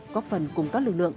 có phần cùng các lực lượng